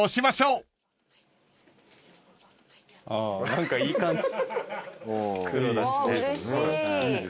何かいい感じ。